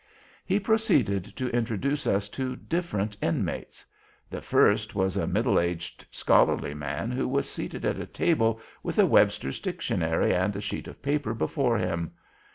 He proceeded to introduce us to different Inmates. The first was a middle aged, scholarly man, who was seated at a table with a Webster's Dictionary and a sheet of paper before him.